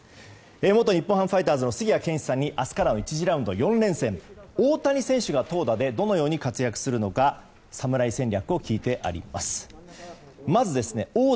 元日本ハムファイターズの杉谷拳士さんに明日からの１次ラウンド４連戦大谷選手が投打でどのように活躍するのか侍戦略を聞いてあります。